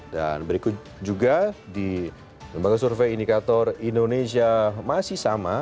dan berikut juga di lembaga survei indikator indonesia masih sama